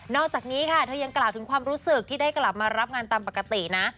อกจากนี้ค่ะเธอยังกล่าวถึงความรู้สึกที่ได้กลับมารับงานตามปกตินะ